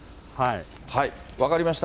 分かりました。